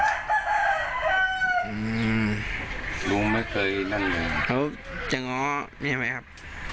อืมลุงไม่เคยนั่นเลยเขาจะง้อแม่ไหมครับ